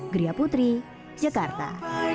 gria putri jakarta